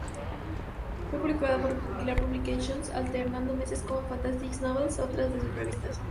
Fue publicada por Popular Publications, alternando meses con "Fantastic Novels", otra de sus revistas.